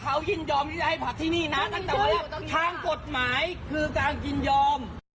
เขายินยอมให้ผลักที่นี่นะแต่ว่าทางกฎหมายคือการยินยอม